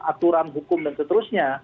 aturan hukum dan seterusnya